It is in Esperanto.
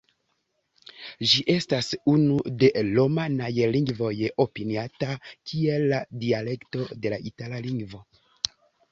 Ĝi estas unu de romanaj lingvoj opiniata kiel la dialekto de la itala lingvo.